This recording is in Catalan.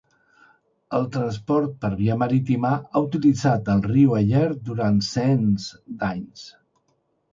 El transport per via marítima ha utilitzat el riu Aller durant cents d'anys.